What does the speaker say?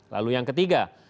lalu yang ketiga